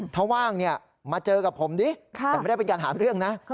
ถ้าว่างมาเจอกับผมดิแต่ไม่ได้เป็นการหาเรื่องนะ